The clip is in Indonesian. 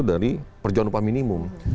dari perjuangan upah minimum